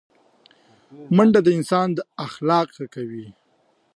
منډه د انسان اخلاق ښه کوي